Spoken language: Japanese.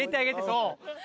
そう。